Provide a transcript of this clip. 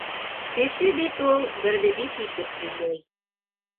Кеше бит ул берҙе биш итеп һөйләй.